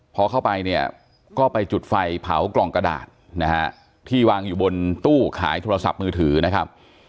พอเข้าไปเนี่ยก็ไปจุดไฟเผากล่องกระดาษนะฮะที่วางอยู่บนตู้ขายโทรศัพท์มือถือนะครับ